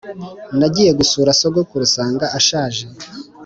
nagiye gusura sogokuru nsanga ashaje.